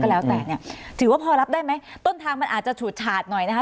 แล้วแต่เนี่ยถือว่าพอรับได้ไหมต้นทางมันอาจจะฉูดฉาดหน่อยนะคะ